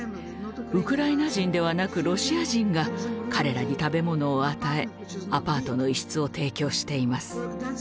ウクライナ人ではなくロシア人が彼らに食べ物を与えアパートの一室を提供しています。